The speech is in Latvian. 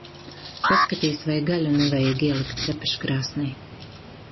Paskaties, vai gaļu nevajag ielikt cepeškrāsnī.